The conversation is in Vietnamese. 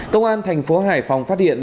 công an thành phố hải phòng phát hiện